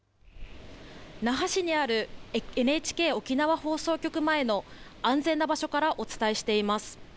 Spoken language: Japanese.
那覇市にあるＮＨＫ沖縄放送局前の、安全な場所からお伝えしています。